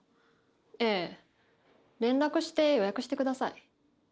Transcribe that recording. ええ連絡して予約してください